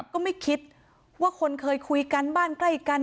ก็ไม่คิดว่าคนเคยคุยกันบ้านใกล้กัน